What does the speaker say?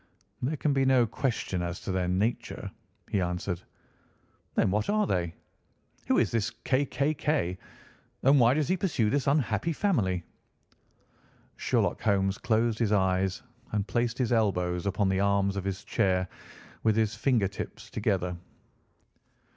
"There can be no question as to their nature," he answered. "Then what are they? Who is this K. K. K., and why does he pursue this unhappy family?" Sherlock Holmes closed his eyes and placed his elbows upon the arms of his chair, with his finger tips together.